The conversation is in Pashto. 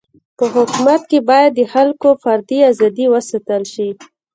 په حکومت کي باید د خلکو فردي ازادي و ساتل سي.